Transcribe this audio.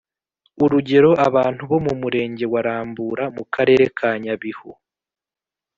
Urugero Abantu bo mu Murenge wa Rambura mu Karere ka Nyabihu.